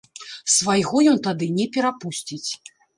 Свайго ён тады не перапусціць.